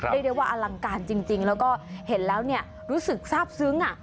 เรียกได้ว่าอลังการจริงแล้วก็เห็นแล้วเนี่ยรู้สึกทราบซึ้ง